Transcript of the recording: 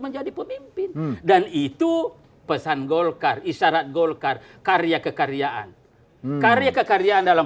menjadi pemimpin dan itu pesan golkar isyarat golkar karya kekaryaan karya kekaryaan dalam